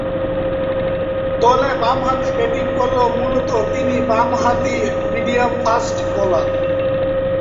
দলে বামহাতে ব্যাটিং করলেও মূলতঃ তিনি বামহাতি মিডিয়াম ফাস্ট বোলার।